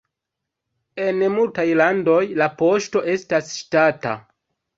En multaj landoj la poŝto estas ŝtata.